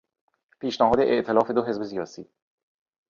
پیشنهاد ائتلاف دو حزب سیاسی